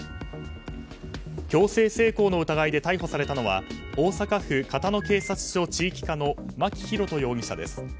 強制性交の疑いで逮捕されたのは大阪府交野警察署地域課の牧宏人容疑者です。